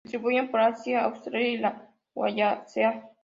Se distribuyen por Asia, Australia y la Wallacea.